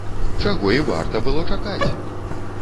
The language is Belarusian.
Чаго і варта было чакаць!